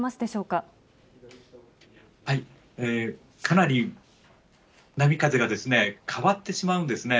かなり波風が変わってしまうんですね。